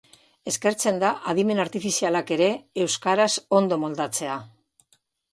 Eskertzen da Adimen Artifizialak ere euskaraz ondo moldatzea.